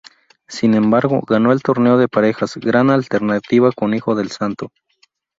Sin embargo, ganó el torneo de parejas Gran Alternativa con Hijo del Santo.